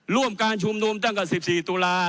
ร่วมการชุมนุมตั้งแต่๑๔ตุลา